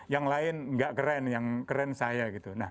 yang lain tidak keren yang keren saya